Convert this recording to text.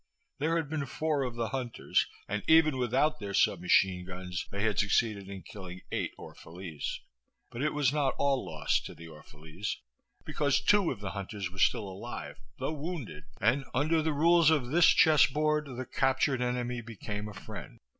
There had been four of the hunters, and even without their sub machine guns they had succeeded in killing eight Orphalese. But it was not all loss to the Orphalese, because two of the hunters were still alive, though wounded, and under the rules of this chessboard the captured enemy became a friend.